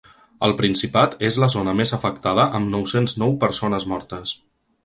El Principat és la zona més afectada amb nou-cents nou persones mortes.